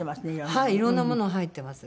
はいいろんなもの入ってます。